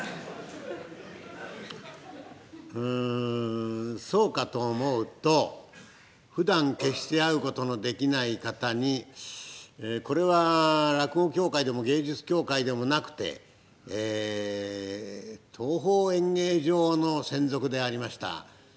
うんそうかと思うとふだん決して会うことのできない方にこれは落語協会でも芸術協会でもなくてええ東宝演芸場の専属でありました